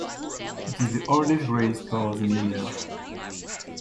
It is the oldest race course in India.